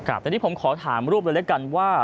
ครับแต่นี่ผมขอถามรูปเลยด้วยกันว่า